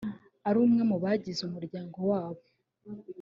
ari umwe mu bagize umuryango wabo